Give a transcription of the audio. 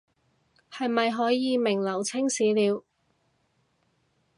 是咪可以名留青史了